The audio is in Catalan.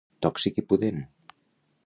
Tòxic i pudent.